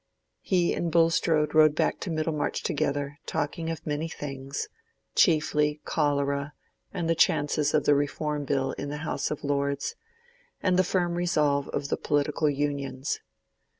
He and Bulstrode rode back to Middlemarch together, talking of many things—chiefly cholera and the chances of the Reform Bill in the House of Lords, and the firm resolve of the political Unions.